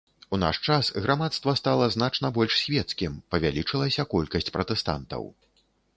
У наш час грамадства стала значна больш свецкім, павялічылася колькасць пратэстантаў.